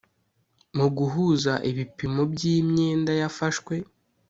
mu guhuza ibipimo by imyenda yafashwe